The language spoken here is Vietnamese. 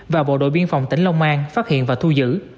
và bộ đội biên phòng tỉnh long an phát hiện và thu giữ